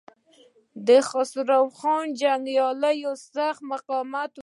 د خسرو خان جنګياليو سخت مقاومت وکړ.